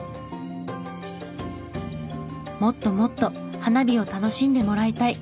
もっともっと花火を楽しんでもらいたい。